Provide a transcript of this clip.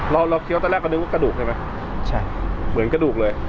เราเราเคี้ยวตอนแรกก็นึกว่ากระดูกใช่ไหมใช่เหมือนกระดูกเลย